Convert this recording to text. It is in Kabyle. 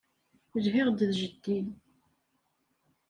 Lhiɣ-d d jeddi.